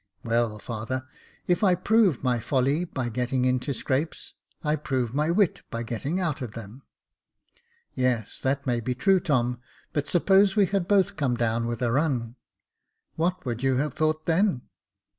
" Well, father, if I prove my folly by getting into scrapes, I prove my wit by getting out of them." " Yes, that may be true, Tom ; but suppose we had both come down with a run, what would you have thought then